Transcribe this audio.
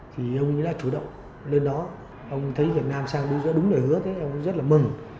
thì ông đã chủ động lên đó ông thấy việt nam sang đúng lời hứa ông rất là mừng